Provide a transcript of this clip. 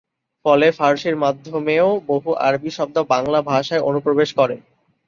ফলে ফারসির মাধ্যমেও বহু আরবি শব্দ বাংলা ভাষায় অনুপ্রবেশ করে।